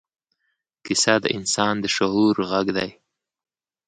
کیسه د انسان د شعور غږ دی.